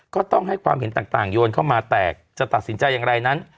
ก็ต้องให้ความเห็นต่างโยนเข้ามาแตกจะตัดสินใจอย่างไรนั้น